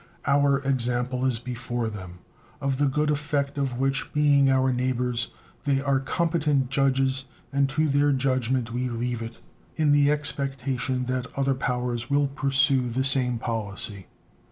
Our example is before them, of the good effect of which, being our neighbors, they are competent judges, and to their judgment we leave it, in the expectation that other powers will pursue the same policy.